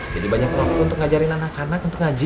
jadi banyak waktu untuk ngajarin anak anak untuk ngaji